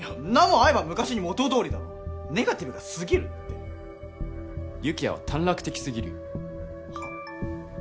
もん会えば昔に元どおりだろネガティブがすぎるって有起哉は短絡的すぎるよはっ？